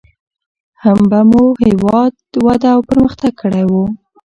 هم به مو هېواد وده او پرمختګ کړى و.